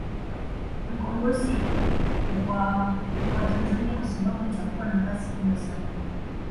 Mkombozi wa Kwa watanzania kwa sababu itakua na kasi kubwa sana